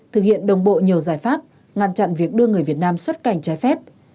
thực hiện đồng bộ nhiều giải pháp ngăn chặn việc đưa người việt nam xuất cảnh trái phép